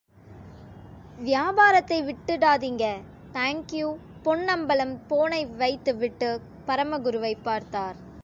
வியாபாரத்தை விட்டுடாதீங்க தாங்க்யூ... பொன்னம்பலம் போனை வைத்துவிட்டு பரமகுருவைப் பார்த்தார்.